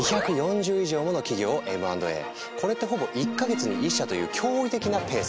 これまでにこれってほぼ１か月に１社という驚異的なペース！